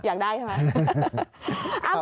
อยากได้ใช่ไหม